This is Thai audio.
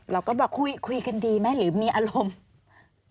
เราก็บอกคุยกันดีไหมหรือมีอารมณ์